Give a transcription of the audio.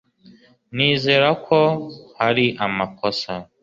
Nizera ko hari amakosa